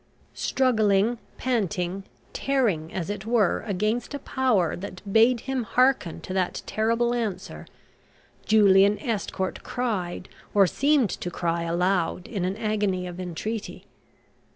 Struggling, panting, tearing, as it were, against a power that bade him hearken to that terrible answer, Julian Estcourt cried or seemed to cry aloud in an agony of entreaty.